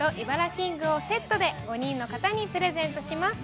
キングをセットで５人の方にプレゼントします。